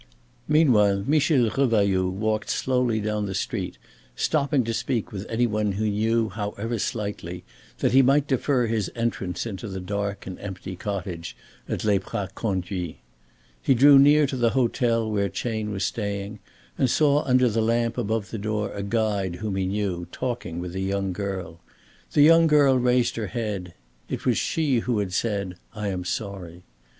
Meanwhile Michel Revailloud walked slowly down the street, stopping to speak with any one he knew however slightly, that he might defer his entrance into the dark and empty cottage at Les Praz Conduits. He drew near to the hotel where Chayne was staying and saw under the lamp above the door a guide whom he knew talking with a young girl. The young girl raised her head. It was she who had said, "I am sorry."